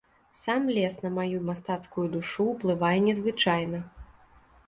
Сам лес на маю мастацкую душу ўплывае незвычайна.